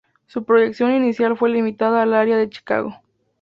Su proyección inicial fue limitada al área de Chicago.